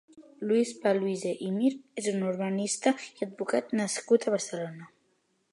Lluís Paluzie i Mir és un urbanista i advocat nascut a Barcelona.